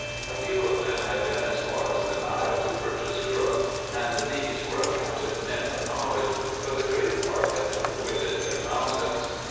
A few of them had been as far as the Nile to purchase dhourra, and these were accounted men of knowledge, but the greater part had never quitted their mountains.